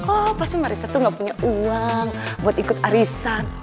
oh pasti marissa tuh gak punya uang buat ikut arisan